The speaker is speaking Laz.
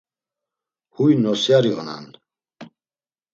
Huy nosyari onan.